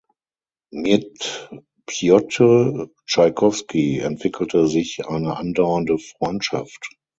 Mit Pjotr Tschaikowski entwickelte sich eine andauernde Freundschaft.